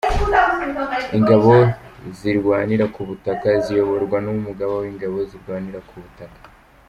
Ingabo Zirwanira ku Butaka ziyoborwa n’Umugaba w’Ingabo Zirwanira ku Butaka.